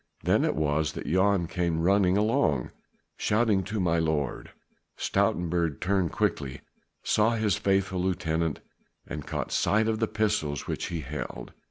Then it was that Jan came running along, shouting to my lord. Stoutenburg turned quickly, saw his faithful lieutenant and caught sight of the pistols which he held.